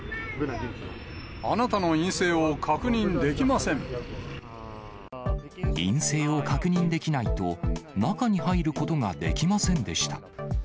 あなたの陰性を確認できませ陰性を確認できないと、中に入ることができませんでした。